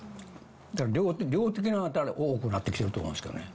だから量的には多くなってきてると思うんですけどね。